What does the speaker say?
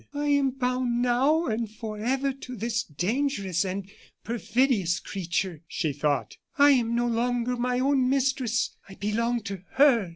"I am bound now and forever to this dangerous and perfidious creature," she thought. "I am no longer my own mistress; I belong to her.